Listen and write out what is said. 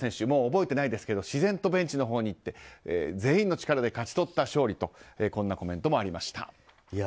もう覚えてないですけど自然とベンチのほうに行って全員の力で勝ち取った勝利というコメントもありました。